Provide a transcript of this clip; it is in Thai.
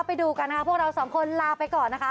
ไปดูกันนะคะพวกเราสองคนลาไปก่อนนะคะ